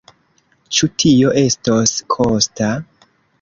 Ĉu tio estos kosta?